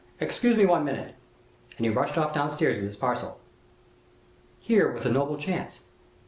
Excuse me one minute.' And he rushed off down stairs with his parcel. "Here was a noble chance.